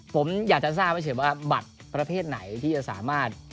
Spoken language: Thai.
ผมอยากจะทราบเฉยว่าบัตรประเภทไหนที่จะสามารถ